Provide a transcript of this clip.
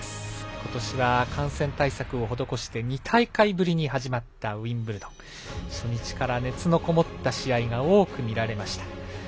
ことしは感染対策を施して２大会ぶりに始まったウィンブルドン初日から熱のこもった試合が多く見られました。